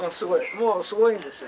もうすごいんですよ。